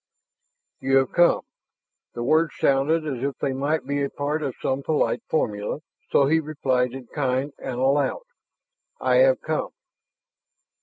"You have come." The words sounded as if they might be a part of some polite formula. So he replied in kind and aloud. "I have come."